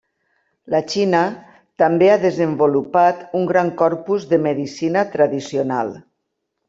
La Xina també ha desenvolupat un gran corpus de medicina tradicional.